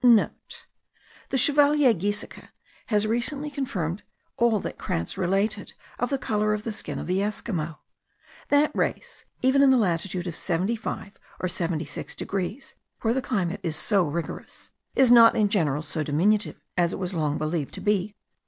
(* The Chevalier Gieseke has recently confirmed all that Krantz related of the colour of the skin of the Esquimaux. That race (even in the latitude of seventy five and seventy six degrees, where the climate is so rigorous) is not in general so diminutive as it was long believed to be.